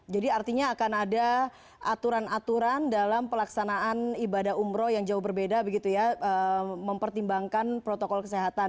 jadi artinya akan ada aturan aturan dalam pelaksanaan ibadah umroh yang jauh berbeda begitu ya mempertimbangkan protokol kesehatan